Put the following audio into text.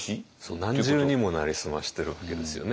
何重にも成り済ましてるわけですよね。